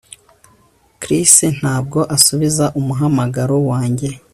Chris ntabwo asubiza umuhamagaro wanjye